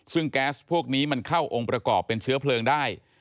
ซึ่งแก๊สพวกนี้มันเข้าองค์ประกอบเป็นเชื้อเพลิงได้